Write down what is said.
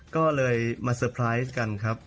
ก็เลยมาเซอร์ไพรส์กันครับ